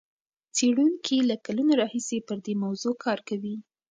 څېړونکي له کلونو راهیسې پر دې موضوع کار کوي.